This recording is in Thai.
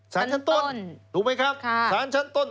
สารชั้นต้นถูกไหมครับ